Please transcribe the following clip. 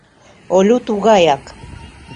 Олю тугаяк.